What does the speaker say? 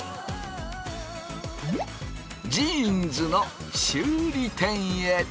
ジーンズの修理店へ！